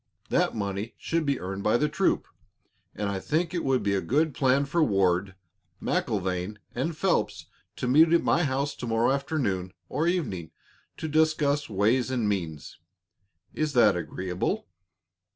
That money should be earned by the troop, and I think it would be a good plan for Ward, MacIlvaine, and Phelps to meet at my house to morrow afternoon or evening to discuss ways and means. Is that agreeable?"